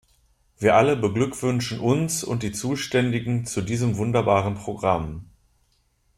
Wir alle beglückwünschen uns und die Zuständigen zu diesem wunderbaren Programm.